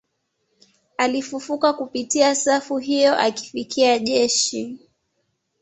Alifufuka kupitia safu hiyo akifikia jeshi